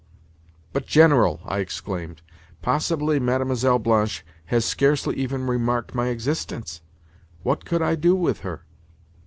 "But, General," I exclaimed, "possibly Mlle. Blanche has scarcely even remarked my existence? What could I do with her?"